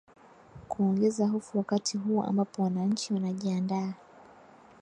kuongeza hofu wakati huu ambapo wananchi wanajiandaa